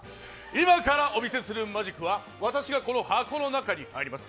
今からお見せするマジックは私がこの箱の中に入ります。